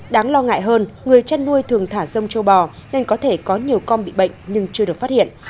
đáng lo ngại hơn người chăn nuôi thường thả rông châu bò nên có thể có nhiều con bị bệnh nhưng chưa được phát hiện